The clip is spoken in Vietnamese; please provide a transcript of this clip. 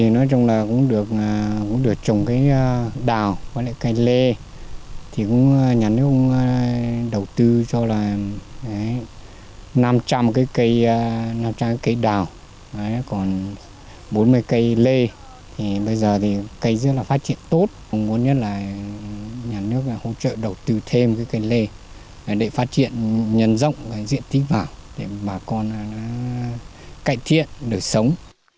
nhất là nhà nước hỗ trợ đầu tư thêm cây lê để phát triển nhân rộng và diện tích vào để bà con cải thiện đời sống